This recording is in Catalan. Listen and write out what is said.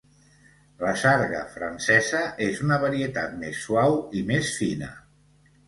La sarga francesa és una varietat més suau i més fina.